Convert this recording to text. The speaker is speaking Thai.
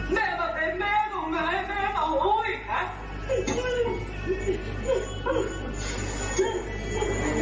แม่ก็เป็นแม่ของหนูนะแม่ของหนูอีกนะ